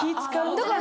だから。